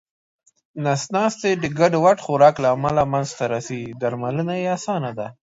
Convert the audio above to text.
نس ناستی د ګډوډ خوراک له امله منځته راځې درملنه یې اسانه ده